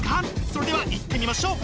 それではいってみましょう！